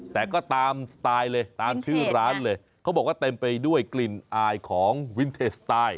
แต่ก็ตามสไตล์เลยตามชื่อร้านเลยเขาบอกว่าเต็มไปด้วยกลิ่นอายของวินเทสไตล์